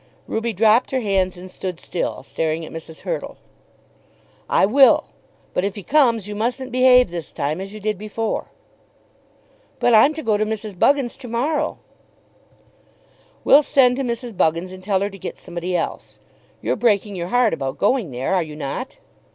Ruby dropped her hands and stood still, staring at Mrs. Hurtle. "I will. But if he comes you mustn't behave this time as you did before." "But I'm to go to Mrs. Buggins' to morrow." "We'll send to Mrs. Buggins and tell her to get somebody else. You're breaking your heart about going there; are you not?"